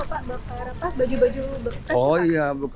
kalau ada pebijakan bukan bakar bakar itu